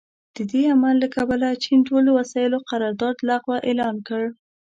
د دې عمل له کبله چین ټول وسايلو قرارداد لغوه اعلان کړ.